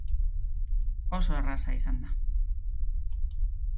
Oso erraza izan da.